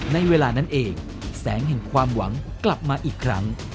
ในเวลานั้นเองแสงแห่งความหวังกลับมาอีกครั้ง